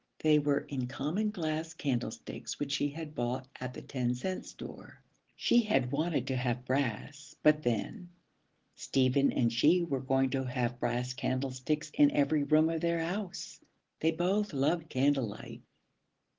They were in common glass candlesticks which she had bought at the Ten Cent store: she had wanted to have brass; but then, Stephen and she were going to have brass candlesticks in every room of their house. They both loved candle light.